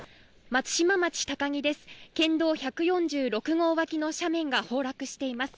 松島町高城です。